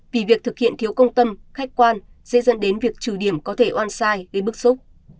vì việc thực hiện thiếu công tâm khách quan sẽ dẫn đến việc trừ điểm có thể on site gây bức xúc